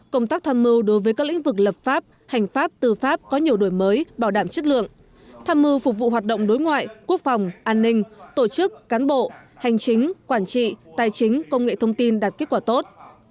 công tác tham mưu đối với các lĩnh vực lập pháp hành pháp tư pháp có nhiều đổi mới bảo đảm chất lượng tham mưu phục vụ hoạt động đối ngoại quốc phòng an ninh tổ chức cán bộ hành chính quản trị tài chính công nghệ thông tin đạt kết quả tốt